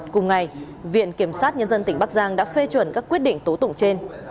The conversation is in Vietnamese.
cùng ngày viện kiểm sát nhân dân tỉnh bắc giang đã phê chuẩn các quyết định tố tụng trên